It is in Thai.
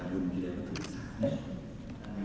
ต้องมาชีวิตกับคุณเพราะผู้ศึกสิน